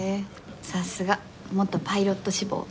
さすが元パイロット志望。